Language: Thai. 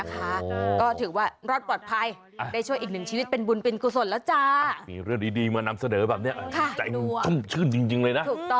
คล้ายกัน๒ตัวถูกไหมอ๋อใช่